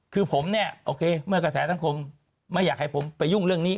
คือผมเนี่ยโอเคเมื่อกระแสสังคมไม่อยากให้ผมไปยุ่งเรื่องนี้